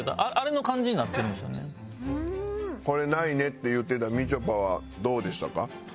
「これないね」って言ってたみちょぱはどうでしたか？